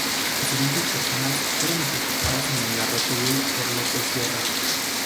Las siguientes personas fueron ejecutadas en el garrote vil por López Sierra.